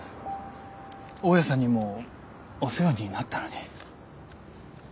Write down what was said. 大家さんにもお世話になったのに。